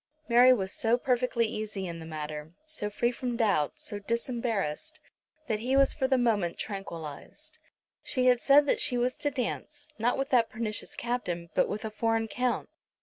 Mary was so perfectly easy in the matter, so free from doubt, so disembarrassed, that he was for the moment tranquillised. She had said that she was to dance, not with that pernicious Captain, but with a foreign Count.